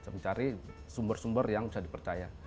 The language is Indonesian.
bisa mencari sumber sumber yang bisa dipercaya